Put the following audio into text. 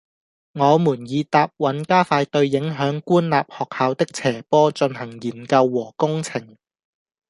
我們已答允加快對影響官立學校的斜坡進行研究和工程